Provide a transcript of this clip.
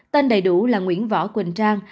tên đầy đủ là nguyễn võ quỳnh trang